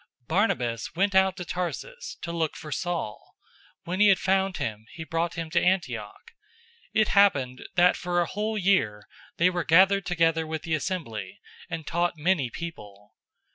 011:025 Barnabas went out to Tarsus to look for Saul. 011:026 When he had found him, he brought him to Antioch. It happened, that for a whole year they were gathered together with the assembly, and taught many people.